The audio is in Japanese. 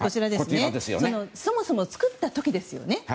そもそも作った時ですね。